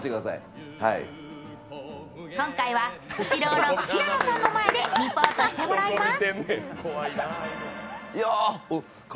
今回はスシローの平野さんの前でリポートしてもらいます。